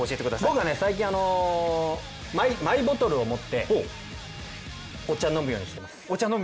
僕は最近、マイボトルを持ってお茶を飲むようにしてます。